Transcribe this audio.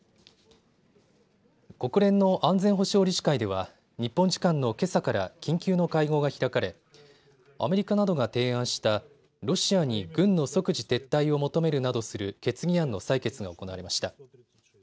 国連の安全保障理事会では日本時間のけさから緊急の会合が開かれ、アメリカなどが提案したロシアに軍の即時撤退を求めるなどする決議案の採決が行われました。